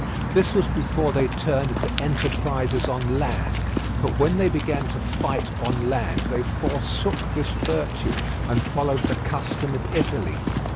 This was before they turned to enterprises on land, but when they began to fight on land they forsook this virtue and followed the custom of Italy.